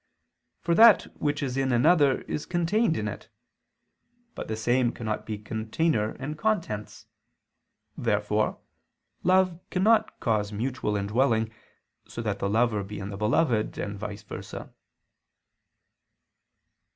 For that which is in another is contained in it. But the same cannot be container and contents. Therefore love cannot cause mutual indwelling, so that the lover be in the beloved and vice versa.